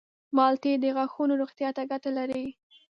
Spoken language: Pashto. مالټې د غاښونو روغتیا ته ګټه لري.